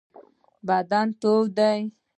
بدن تود دی.